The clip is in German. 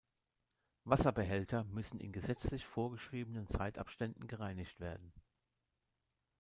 Wasserbehälter müssen in gesetzlich vorgeschriebenen Zeitabständen gereinigt werden.